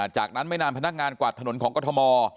จากนั้นไม่นานพนักงานกวาดถนนของกรทม